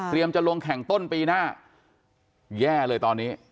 จะลงแข่งต้นปีหน้าแย่เลยตอนนี้